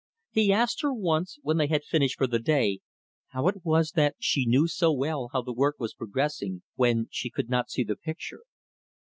He asked her, once, when they had finished for the day, how it was that she knew so well how the work was progressing, when she could not see the picture.